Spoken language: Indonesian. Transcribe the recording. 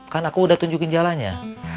kan aku udah tunjukin jalannya